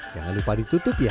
jangan lupa ditutup ya